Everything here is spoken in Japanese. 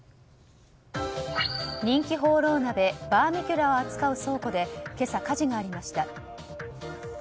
人気ホーロー鍋バーミキュラを扱う倉庫で今朝、火事がありました。